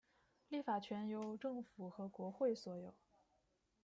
立法权由政府和国会所有。